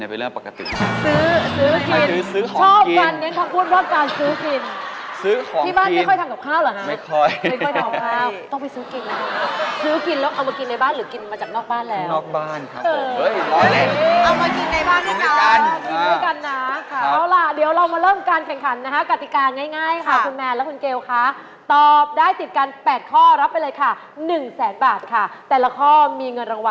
เป็นเรื่องปกติ